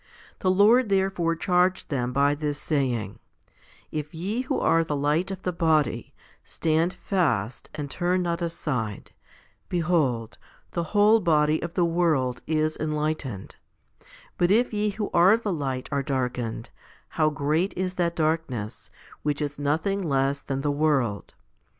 The Lord therefore charged them by this saying, If ye who are the light 'of the body, stand fast and turn not aside, behold, the whole body of the world is enlightened ; but if ye who are the light are darkened, how great is that darkness, which is nothing less than the world.